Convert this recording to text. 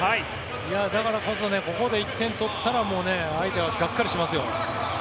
だからこそ、ここで１点取ったら相手はがっかりしますよ。